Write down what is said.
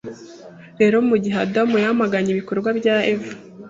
Rero mugihe Adamu yamaganye ibikorwa bya Eva